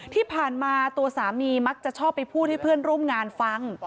ที่ผ่านมาตัวสามีมักจะชอบไปพูดให้เพื่อนร่วมงานฟัง